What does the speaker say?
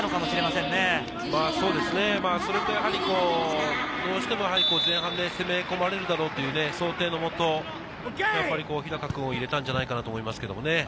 それと、どうしても前半で攻め込まれるだろうという想定のもと、日高君を入れたんじゃないかなと思いますけどね。